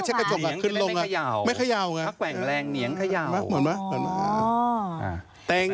เหงียงผมก็หย่อนก่อน